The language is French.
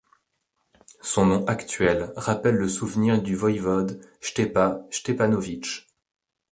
Son nom actuel rappelle le souvenir du voïvode Stepa Stepanović.